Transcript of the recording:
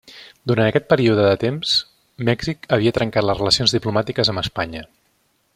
Durant aquest període de temps, Mèxic havia trencat les relacions diplomàtiques amb Espanya.